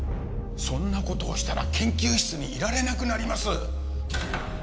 そんな事をしたら研究室にいられなくなります！